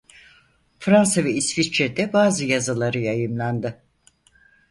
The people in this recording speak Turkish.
Fransa ve İsviçre'de bazı yazıları yayımlandı.